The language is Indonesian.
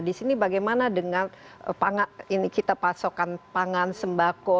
di sini bagaimana dengan kita pasokkan pangan sembako